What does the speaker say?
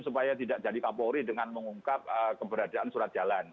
supaya tidak jadi kapolri dengan mengungkap keberadaan surat jalan